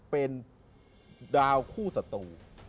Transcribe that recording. เป็นดาวคู่ศัตรู